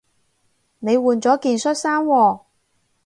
你換咗件恤衫喎